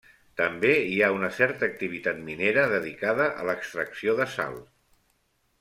També hi ha una certa activitat minera dedicada a l'extracció de sal.